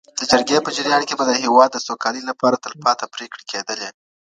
د جرګي په جریان کي به د هیواد د سوکالۍ لپاره تلپاته پريکړي کيدلي.